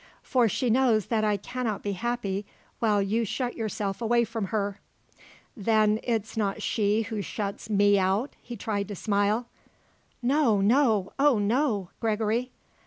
For she knows that I cannot be happy while you shut yourself away from her." "Then it's not she who shuts me out?" he tried to smile. "No; no; oh, no, Gregory."